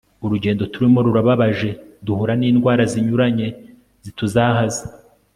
urugendo turimo rurababaje, duhura n'indwara zinyuranye zituzahaza